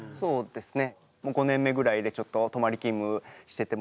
そうですね。